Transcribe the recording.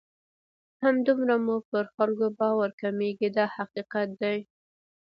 همدومره مو پر خلکو باور کمیږي دا حقیقت دی.